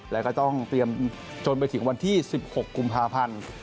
แล้วก็ต้องเตรียมจนไปถึงวันที่๑๖กุมภาพันธ์